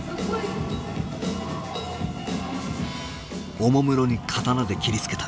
おもむろに刀で斬りつけた。